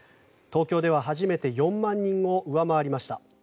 東京では初めて４万人を上回りました。